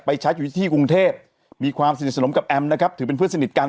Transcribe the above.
ชัดอยู่ที่กรุงเทพมีความสนิทสนมกับแอมนะครับถือเป็นเพื่อนสนิทกัน